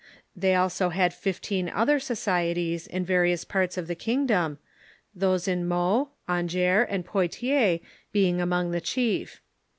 They also had fifteen other societies in various parts of the kingdom, those in Meaux, Angers, and Poitiers being among the chief.